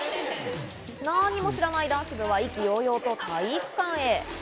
何も知らないダンス部は意気揚々と体育館へ。